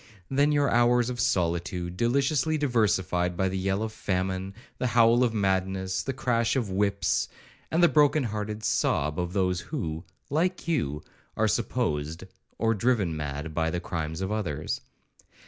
—Then your hours of solitude, deliciously diversified by the yell of famine, the howl of madness, the crash of whips, and the broken hearted sob of those who, like you, are supposed, or driven mad by the crimes of others!